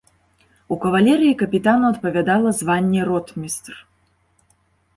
У кавалерыі капітану адпавядала званне ротмістр.